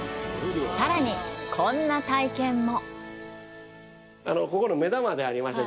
さらにこんな体験も。